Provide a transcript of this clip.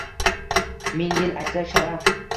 Ming yil aytsak sharaf